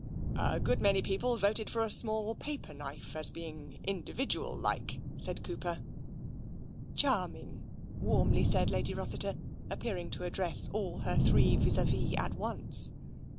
*' A good many voted for a small paper knife, as being individual, like," said Cooper. " Charming," warmly said Lady Rossiter, appearing to address all her three vis a vis at once.